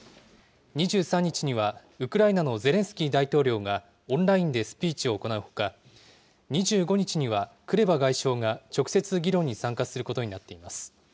２３日には、ウクライナのゼレンスキー大統領がオンラインでスピーチを行うほか、２５日には、クレバ外相が直接議論に参加することになっています。